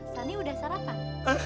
sani udah sarapan